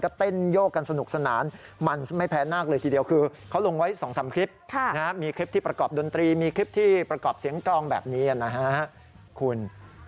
ก็เต้นโยกกันสนุกสนาน